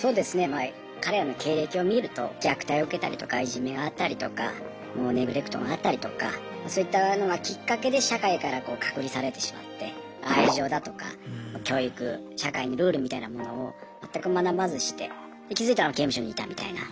まあ彼らの経歴を見ると虐待を受けたりとかいじめがあったりとかもうネグレクトがあったりとかそういったのがきっかけで社会からこう隔離されてしまって愛情だとか教育社会のルールみたいなものを全く学ばずして気づいたら刑務所にいたみたいな。